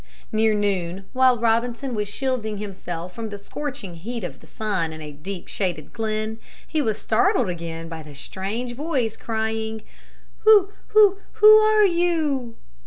Near noon, while Robinson was shielding himself from the scorching heat of the sun in a deep, shaded glen, he was startled again by the strange voice crying, "Who, who, who are you?"